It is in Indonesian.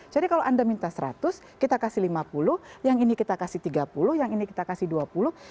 kalau anda minta seratus kita kasih lima puluh yang ini kita kasih tiga puluh yang ini kita kasih dua puluh